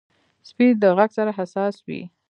سپي د غږ سره حساس وي.